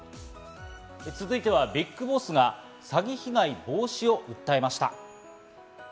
続いてはＢＩＧＢＯＳＳが詐欺被害防止を訴えました。